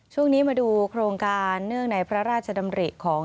ช่วงนี้มาดูโครงการเนื่องในพระราชดำริของ